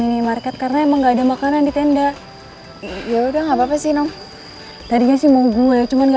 ini buat kalian beli makannya ini aja